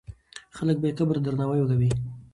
خلک به یې قبر ته درناوی کوي.